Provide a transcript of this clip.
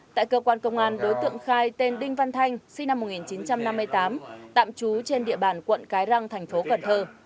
tại cơ quan công an đối tượng khai tên đinh văn thanh sinh năm một nghìn chín trăm năm mươi tám tạm trú trên địa bàn quận cái răng thành phố cần thơ